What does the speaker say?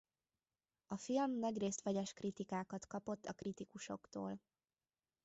A film nagyrészt vegyes kritikákat kapott a kritikusoktól.